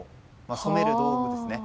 染める道具ですね。